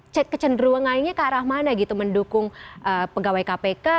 cek kecenderungannya ke arah mana gitu mendukung pegawai kpk